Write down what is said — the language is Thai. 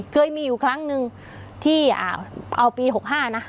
เคยมีอยู่ครั้งหนึ่งที่อ่าเอาปีหกห้านะ